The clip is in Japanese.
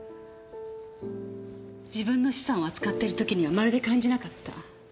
自分の資産を扱っている時にはまるで感じなかった。